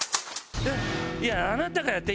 「いやあなたがやって！」